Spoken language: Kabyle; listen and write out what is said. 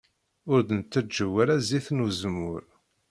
Ur d-nettaǧew ara zzit n uzemmur.